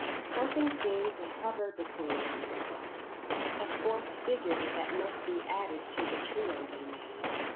Something seemed to hover between them now, a fourth figure that must be added to the trio they made.